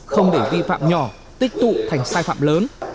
không để vi phạm nhỏ tích tụ thành sai phạm lớn